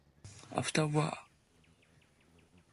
After war.